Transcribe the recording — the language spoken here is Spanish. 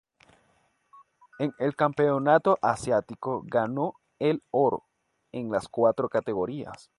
En el Campeonato Asiático ganó el oro en las cuatro categorías.